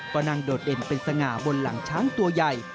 ก็นั่งโดดเด่นเป็นสง่าบนหลังช้างตัวใหญ่